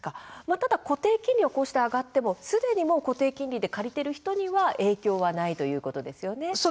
固定金利が上がってもすでに固定金利で借りている人には影響ないということですね。